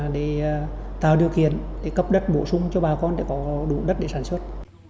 để tạo điều kiện để cấp đất bổ sung cho bà con để có đủ đất để sản xuất